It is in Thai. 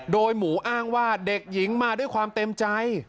โดยหมูอ้างว่าเด็กหญิงมาด้วยความเต็มใจ